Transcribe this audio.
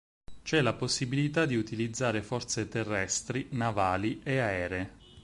C'è la possibilità di utilizzare forze terrestri, navali e aeree.